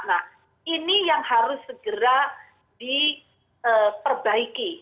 nah ini yang harus segera diperbaiki